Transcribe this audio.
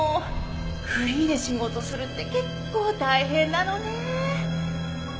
フリーで仕事するって結構大変なのね。